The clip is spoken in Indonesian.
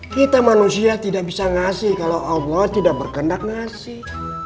kita manusia tidak bisa ngasih kalau allah tidak berkendak ngasih